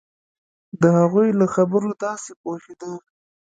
د هغوی له خبرو داسې پوهېده.